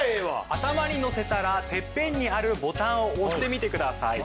頭にのせたらてっぺんにあるボタンを押してみてください。